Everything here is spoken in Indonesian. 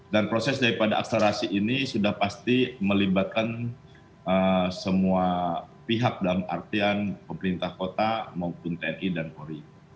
dan proses daripada akselerasi ini sudah pasti melibatkan semua pihak dalam artian pemerintah kota maupun tni dan polri